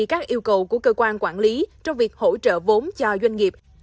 các yêu cầu của cơ quan quản lý trong việc hỗ trợ vốn cho doanh nghiệp